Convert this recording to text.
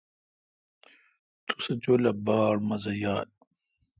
تو سہ جولا باڑ مزہ یال۔